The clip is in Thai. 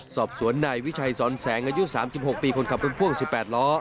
สอบสวนนายวิชัยสอนแสงอายุ๓๖ปีคนขับรถพ่วง๑๘ล้อ